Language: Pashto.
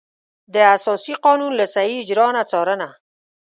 د اساسي قانون له صحیح اجرا نه څارنه.